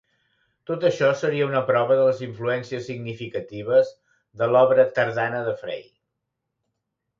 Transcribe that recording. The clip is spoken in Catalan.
Tot això seria una prova de les influències significatives de l'obra tardana de Frey.